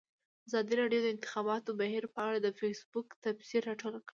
ازادي راډیو د د انتخاباتو بهیر په اړه د فیسبوک تبصرې راټولې کړي.